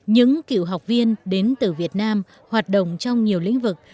những cựu học viên đến từ việt nam hoạt động trong nhiều lĩnh vực